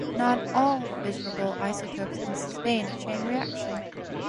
Not all fissionable isotopes can sustain a chain reaction.